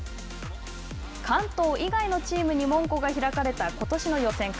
関東以外のチームに門戸が開かれたことしの予選会。